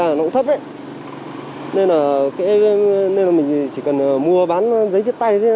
giá thấp ấy nên là mình chỉ cần mua bán giấy chiếc tay thôi